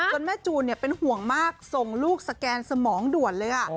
แม่จูนเป็นห่วงมากส่งลูกสแกนสมองด่วนเลยค่ะ